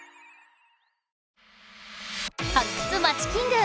「発掘！まちキング」。